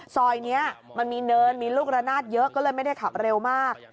ซอยนี้มันมีเนินมีลูกระนาดเยอะก็เลยไม่ได้ขับเร็วมาก